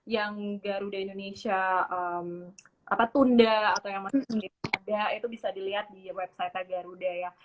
yang garuda indonesia tunda atau yang masih sendiri ada itu bisa dilihat di website nya garuda ya